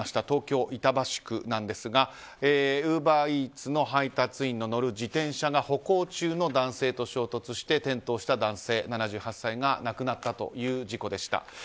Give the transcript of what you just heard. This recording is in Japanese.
東京・板橋区なんですがウーバーイーツの配達員の乗る自転車が歩行中の男性と衝突して転倒した男性７８歳が亡くなったという事故でした。